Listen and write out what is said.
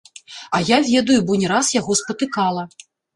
А я ведаю, бо не раз яго спатыкала.